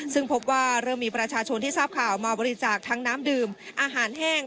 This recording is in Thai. ซึ่งพบว่าเริ่มมีประชาชนที่ทราบข่าวมาบริจาคทั้งน้ำดื่มอาหารแห้ง